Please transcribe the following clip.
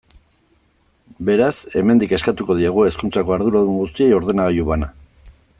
Beraz, hemendik eskatuko diegu hezkuntzako arduradun guztiei ordenagailu bana.